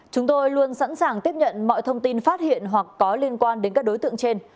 chúng tôi luôn sẵn sàng tiếp nhận mọi thông tin phát hiện hoặc có liên quan đến các đối tượng trên